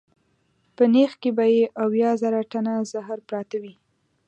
په نېښ کې به یې اویا زره ټنه زهر پراته وي.